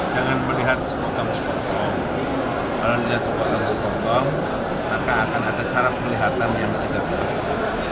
jangan melihat sepotong sepotong kalau melihat sepotong sepotong maka akan ada cara kelihatan yang tidak berhasil